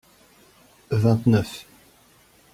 Vingt-neuf.